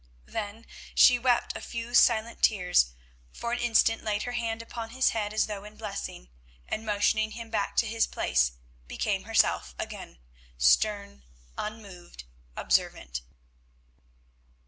Then she wept a few silent tears, for an instant laid her hand upon his head as though in blessing, and, motioning him back to his place, became herself again—stern, unmoved, observant.